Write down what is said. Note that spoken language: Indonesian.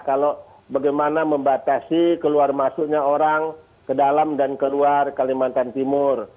kalau bagaimana membatasi keluar masuknya orang ke dalam dan keluar kalimantan timur